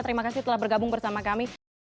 terima kasih telah bergabung bersama kami